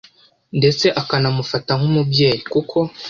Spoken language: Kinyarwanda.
ndetse akanamufata nk’umubyeyi, kuko